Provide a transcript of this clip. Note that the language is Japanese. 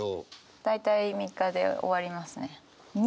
大体３日で終わりますね。